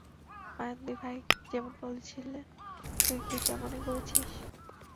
মায়ানদি ভাই যেমন বলেছিল তুই কী তেমনই করেছিস?